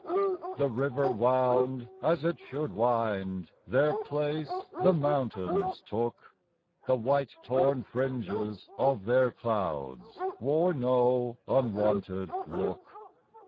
The river wound as it should wind; Their place the mountains took; The white torn fringes of their clouds Wore no unwonted look.